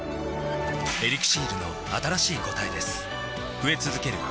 「エリクシール」の新しい答えです